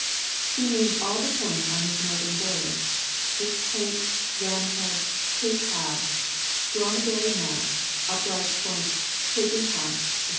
He named all the points on his northern voyage, Hick's Point, Ram Head, Cape Howe, Dromedary Mount, Upright Point, Pigeon House, &c.